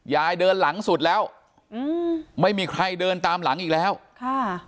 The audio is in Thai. เดินหลังสุดแล้วอืมไม่มีใครเดินตามหลังอีกแล้วค่ะ